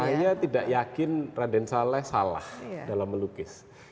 saya tidak yakin raden saleh salah dalam melukis